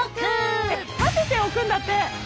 えっ立てて置くんだって！